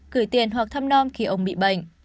gửi tiền hoặc thăm non khi ông bị bệnh